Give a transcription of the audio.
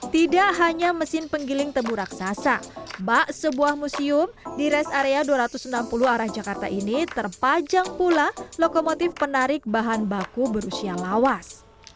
tidak hanya mesin penggiling tebu raksasa bak sebuah museum di rest area dua ratus enam puluh arah jakarta ini terpajang pula lokomotif penarik bahan baku berusia lawas